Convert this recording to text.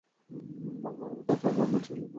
ভাগ্যক্রমে, তার third roommate রুমে ছিল না।